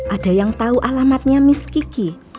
ada yang tau alamatnya miss kiki